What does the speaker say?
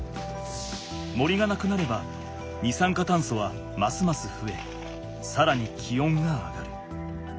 森がなくなれば二酸化炭素はますますふえさらに気温が上がる。